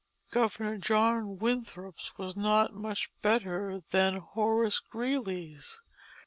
Governor John Winthrop's was not much better than Horace Greeley's.